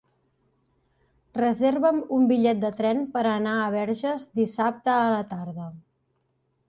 Reserva'm un bitllet de tren per anar a Verges dissabte a la tarda.